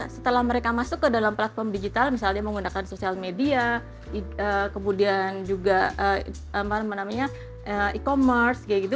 setelah mereka masuk ke dalam platform digital misalnya menggunakan sosial media kemudian juga e commerce kayak gitu